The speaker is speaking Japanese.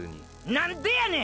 何でやねん！